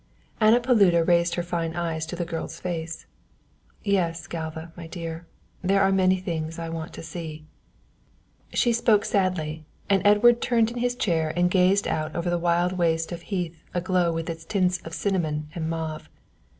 Anna Paluda raised her fine eyes to the girl's face. "Yes, Galva, my dear, there are many things I want to see." She spoke sadly, and Edward turned in his chair and gazed out over the wild waste of heath aglow with its tints of cinnamon and mauve.